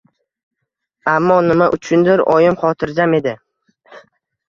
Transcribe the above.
Ammo nima uchundir oyim xotirjam edi.